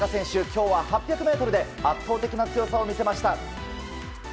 今日は８００ｍで圧倒的な強さを見せました。